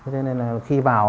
thế nên là khi vào